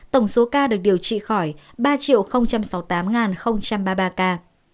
tổng số ca được điều trị khỏi ba sáu mươi tám ba mươi ba ca